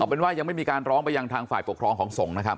เป็นว่ายังไม่มีการร้องไปยังทางฝ่ายปกครองของสงฆ์นะครับ